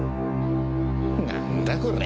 何だこれ？